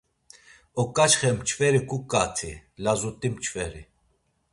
Oǩaçxe mçveri kuǩati, lazut̆i mçveri.